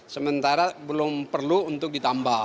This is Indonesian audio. sementara belum perlu untuk melakukan penyelesaian ya